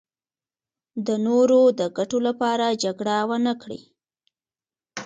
د نورو د ګټو لپاره جګړه ونکړي.